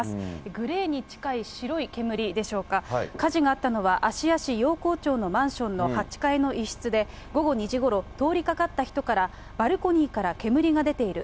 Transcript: グレーに近い白い煙でしょうか、火事があったのは、芦屋市ようこうちょうのマンションの８階の一室で、午後２時ごろ、通りかかった人から、バルコニーから煙が出ている。